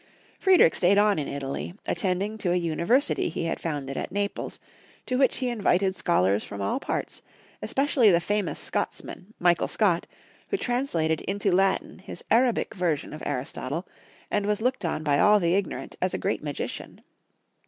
Friedrieh stayed on in Italy, attending to a uni versity he had founded at Naples, to which he in vited scholars from all parts, especially the famous Scotsman, Michael Scott, who translated into Latin his Arabic version of Aristotle, and was looked on by all the ignorant as a great magician.